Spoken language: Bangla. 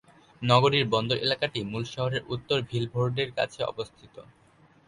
নগরীর বন্দর এলাকাটি মূল শহরের উত্তর ভিলভোর্ডে-র কাছে অবস্থিত।